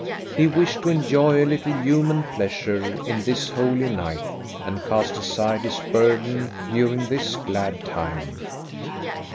He wished to enjoy a little human pleasure in this holy night, and cast aside his burden during this glad time.